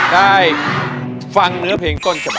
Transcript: ได้ฟังเนื้อเพลงต้นฉบับ